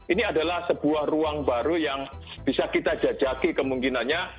ini adalah sebuah ruang baru yang bisa kita jajaki kemungkinannya